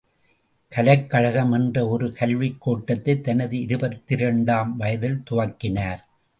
கலைக்கழகம் என்ற ஒரு கல்விக் கோட்டத்தைத் தனது இருபத்திரண்டு ம் வயதில் துவக்கினார்!